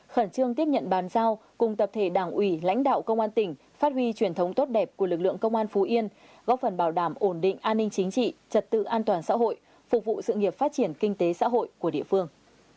khẩn trương tiếp nhận bàn giao cùng tập thể đảng ủy lãnh đạo công an tỉnh phát huy truyền thống tốt đẹp của lực lượng công an phú yên góp phần bảo đảm ổn định an ninh chính trị trật tự an toàn xã hội phục vụ sự nghiệp phát triển kinh tế xã hội của địa phương